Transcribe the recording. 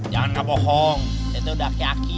janganlah bohong saya tuh udah kaki kaki